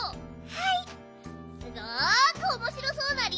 はい！